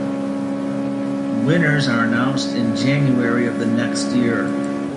Winners are announced in January of the next year.